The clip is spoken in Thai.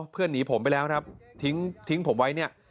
เพื่อนหนีผมไปแล้วครับทิ้งผมไว้เนี่ย